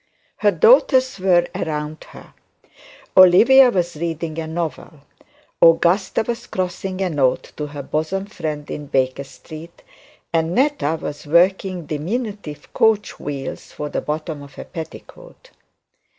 Her daughters were around her. Olivia was reading a novel, Augusta was crossing a note to her bosom friend in Baker Street, and Netta was working diminutive coach wheels for the bottom of a petticoat.